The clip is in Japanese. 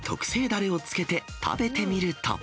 だれをつけて食べてみると。